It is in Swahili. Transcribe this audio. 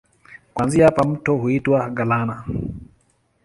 Kuanzia hapa mto huitwa Galana.